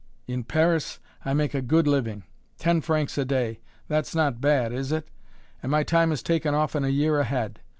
In Paris I make a good living; ten francs a day that's not bad, is it? and my time is taken often a year ahead.